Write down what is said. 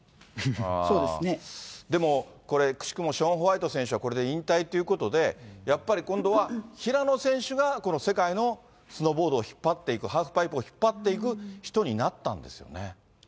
でもこれ、くしくもショーン・ホワイト選手はこれで引退ということで、やっぱり今度は平野選手がこの世界のスノーボードを引っ張っていく、ハーフパイプを引っ張っていく人になったんですよね。